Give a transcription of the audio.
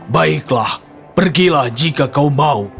baiklah pergilah jika kau mau